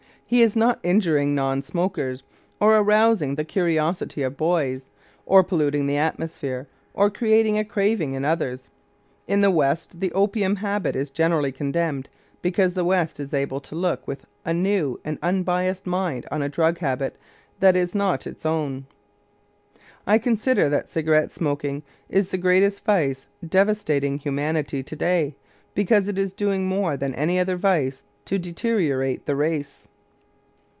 He is not injuring non smokers, or arousing the curiosity of boys, or polluting the atmosphere, or creating a craving in others. In the West the opium habit is generally condemned because the West is able to look with a new and unbiased mind on a drug habit that is not its own. I consider that cigarette smoking is the greatest vice devastating humanity to day, because it is doing more than any other vice to deteriorate the race.